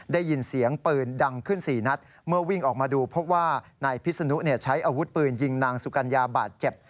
ได้ยินเสียงปืนดังขึ้น๔นัดเมื่อวิ่งออกมาดูพบว่านายพิษนุใช้อาวุธปืนยิงนางสุกัญญาบาดเจ็บ